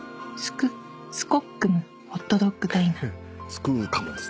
「スクーカム」です